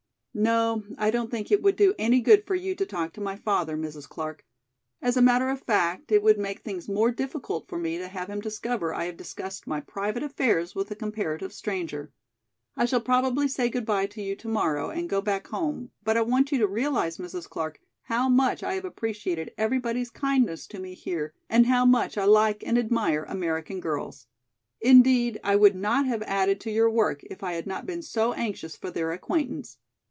"No, I don't think it would do any good for you to talk to my father, Mrs. Clark. As a matter of fact, it would make things more difficult for me to have him discover I have discussed my private affairs with a comparative stranger. I shall probably say goodby to you tomorrow and go back home, but I want you to realize, Mrs. Clark, how much I have appreciated everybody's kindness to me here and how much I like and admire American girls. Indeed, I would not have added to your work if I had not been so anxious for their acquaintance.